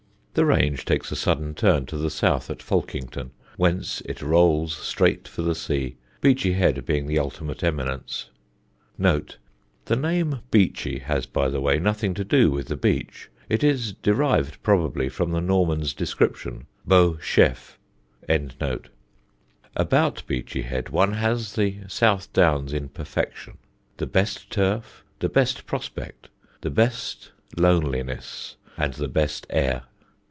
The range takes a sudden turn to the south at Folkington, whence it rolls straight for the sea, Beachy Head being the ultimate eminence. (The name Beachy has, by the way, nothing to do with the beach: it is derived probably from the Normans' description "beau chef.") About Beachy Head one has the South Downs in perfection: the best turf, the best prospect, the best loneliness, and the best air.